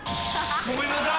ごめんなさい。